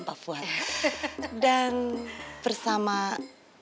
saya senang sekali bisa bekerja sama dengan perusahaan ini